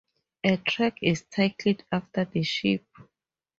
A track is titled after the ship.